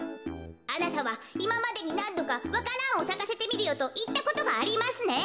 あなたはいままでになんどかわか蘭をさかせてみるよといったことがありますね？